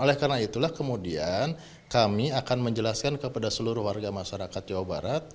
oleh karena itulah kemudian kami akan menjelaskan kepada seluruh warga masyarakat jawa barat